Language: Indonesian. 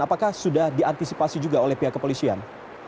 apakah sudah diantisipasi juga oleh pihak kepolisian